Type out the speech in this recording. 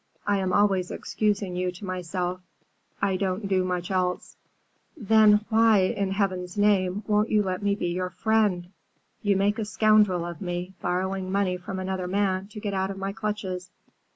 I am always excusing you to myself. I don't do much else." "Then why, in Heaven's name, won't you let me be your friend? You make a scoundrel of me, borrowing money from another man to get out of my clutches."